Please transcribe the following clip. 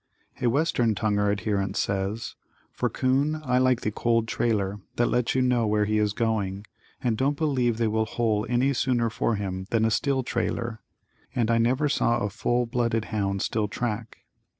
A Western tonguer adherent says: For 'coon I like the cold trailer that lets you know where he is going, and don't believe they will hole any sooner for him than a still trailer, and I never saw a full blooded hound still track.